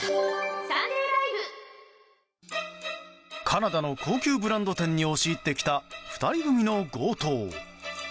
カナダの高級ブランド店に押し入ってきた２人組の強盗。